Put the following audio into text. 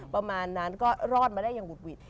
ประมาณนั้นก็รอดมาได้อย่างหุดหวิด